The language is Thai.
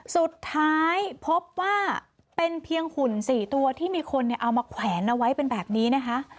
สุดท้ายพบว่าเป็นเพียงหุ่น๔ตัวที่มีคนเอามาแขวนเอาไว้เป็นแบบนี้นะคะ